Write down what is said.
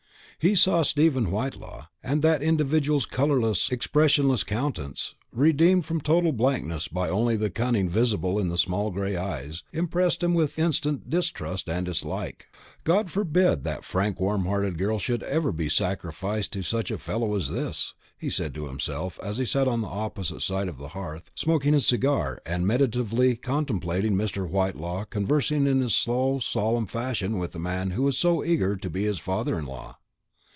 He saw Stephen Whitelaw, and that individual's colourless expressionless countenance, redeemed from total blankness only by the cunning visible in the small grey eyes, impressed him with instant distrust and dislike. "God forbid that frank warm hearted girl should ever be sacrificed to such a fellow as this," he said to himself, as he sat on the opposite side of the hearth, smoking his cigar, and meditatively contemplating Mr. Whitelaw conversing in his slow solemn fashion with the man who was so eager to be his father in law.